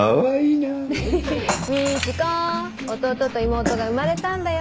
みちこ弟と妹が生まれたんだよ。